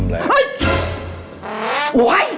เฮ้ย